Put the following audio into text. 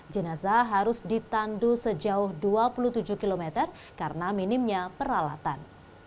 jenazah harus ditandu sejauh dua puluh tujuh km karena minimnya peralatan